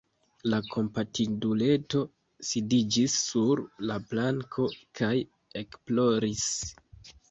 La kompatinduleto sidiĝis sur la planko kaj ekploris.